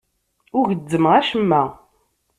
Ur gezzmeɣ acemma.